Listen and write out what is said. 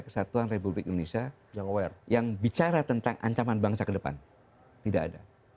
kesatuan republik indonesia yang aware yang bicara tentang ancaman bangsa ke depan tidak ada